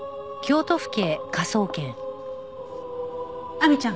亜美ちゃん